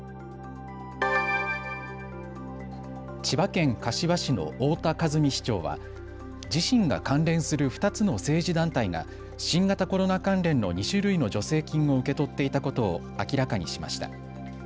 千葉県柏市の太田和美市長は自身が関連する２つの政治団体が新型コロナ関連の２種類の助成金を受け取っていたことを明らかにしました。